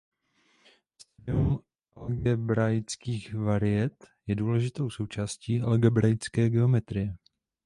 Studium algebraických variet je důležitou součástí algebraické geometrie.